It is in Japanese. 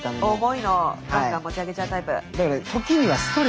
重いのガンガン持ち上げちゃうタイプ？